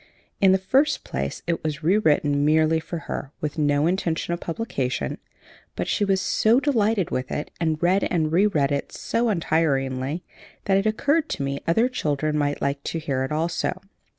In the first place, it was re written merely for her, with no intention of publication; but she was so delighted with it, and read and reread it so untiringly, that it occurred to me other children might like to hear it also.